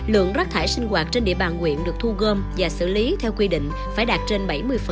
lượng rác thải sinh hoạt trên địa bàn nguyện được thu gom và xử lý theo quy định phải đạt trên bảy mươi